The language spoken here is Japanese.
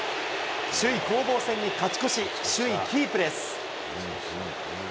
首位攻防戦に勝ち越し、首位キープです。